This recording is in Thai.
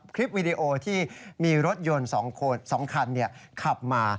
คลิปวีดีโอที่มีรถยนต์๒คันขับมา